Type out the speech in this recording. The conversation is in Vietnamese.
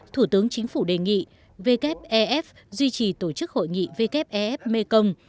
thủ tướng chính phủ đề nghị wf ef duy trì tổ chức hội nghị wf ef mekong